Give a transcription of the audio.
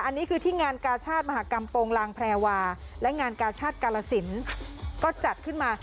อันนี้คือที่งานกาชาติมหากรรมโปรงลางแพรวาและงานกาชาติกาลสินก็จัดขึ้นมา